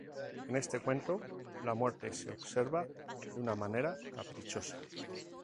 En este cuento, la muerte se observa de una manera caprichosa.